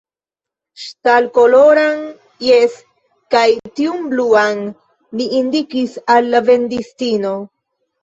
Ŝtalkoloran, jes, kaj tiun bluan, – mi indikis al la vendistino.